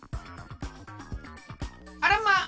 あらまっ！